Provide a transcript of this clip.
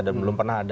dan belum pernah ada